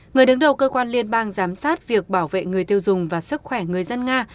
người đứng đầu cơ quan liên bang giám sát việc bảo vệ người tiêu dùng và sức khỏe người dân nga